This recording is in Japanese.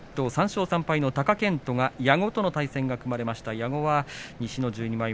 ３勝３敗の貴健斗が矢後との対戦が組まれました。